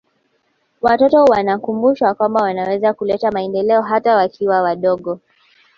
watoto wanakumbushwa kwamba wanaweza kuleta maendeleo hata wakiwa wadogo